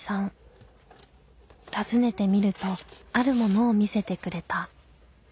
訪ねてみるとあるものを見せてくれた。